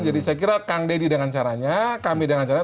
jadi saya kira kang dedy dengan caranya kami dengan caranya